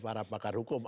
para pakar hukum